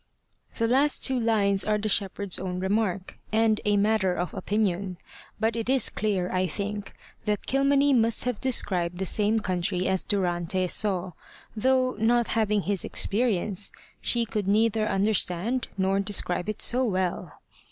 The last two lines are the shepherd's own remark, and a matter of opinion. But it is clear, I think, that Kilmeny must have described the same country as Durante saw, though, not having his experience, she could neither understand nor describe it so well.